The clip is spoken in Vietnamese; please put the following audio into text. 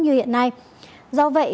như hiện nay do vậy